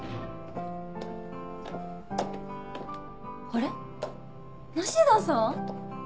あれ梨田さん？